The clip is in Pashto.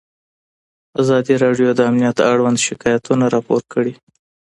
ازادي راډیو د امنیت اړوند شکایتونه راپور کړي.